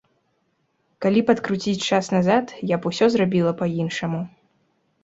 Калі б адкруціць час назад, я б усё зрабіла па-іншаму.